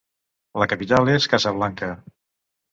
La capital és Casablanca.